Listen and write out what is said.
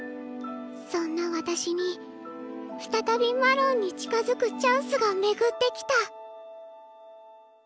そんな私に再びマロンに近づくチャンスが巡ってきた。